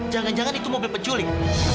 jangan jangan itu mobil penculik